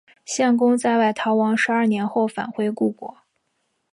献公在外逃亡十二年后返回故国。